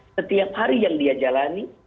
setiap hari yang dia jalani